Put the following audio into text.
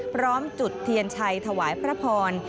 พร้อมจุดเทียนชัยถวายพระพร